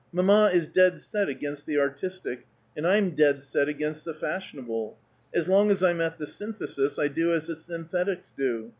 Mamma is dead set against the artistic, and I'm dead set against the fashionable. As long as I'm at the Synthesis, I do as the Synthetics do.